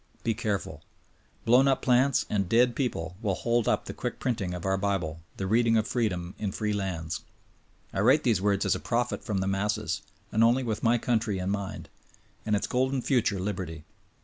Be care ful ! Blown up plants and dead people will hold up the quick printing of our bible — the reading of freedom in free lands. I write these words as a prophet from the masses, and only with my country in mind; and its golden future liberty.